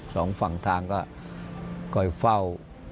สองฝั่งทางก็คอยเฝ้า